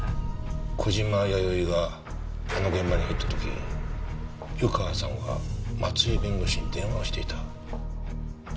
小島弥生があの現場に入った時湯川さんが松井弁護士に電話をしていた。